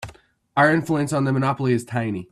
Our influence on their monopoly is tiny.